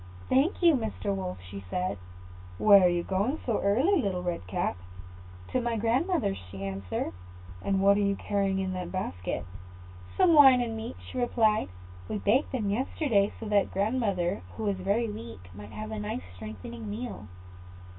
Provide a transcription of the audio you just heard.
"Thank you, Mr. Wolf," said she. "Where are you going so early, Little Red Cap?" "To my grandmother's," she answered. "And what are you carrying in that basket?" "Some wine and meat," she replied. "We baked the meat yesterday, so that grandmother, who is very weak, might have a nice strengthening meal."